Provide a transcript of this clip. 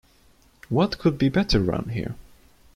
What could be better round here?